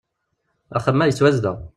Axxam-a yettwazdeɣ.